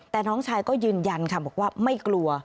แต่น้องชายก็ยืนยันค่ะบอกว่าไม่กลัว